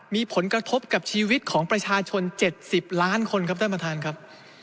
มีผลกระทบกับชีวิตของประชาชน๗๐ล้านคนครับท่านประธานครับ